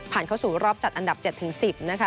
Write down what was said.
เข้าสู่รอบจัดอันดับ๗๑๐นะคะ